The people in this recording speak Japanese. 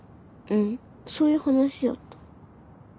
うんそういう話だった。